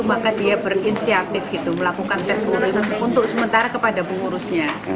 maka dia berinisiatif melakukan tes untuk sementara kepada pengurusnya